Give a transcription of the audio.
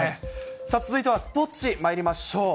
さあ続いてはスポーツ紙まいりましょう。